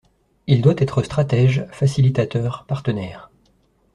Il doit être stratège, facilitateur, partenaire.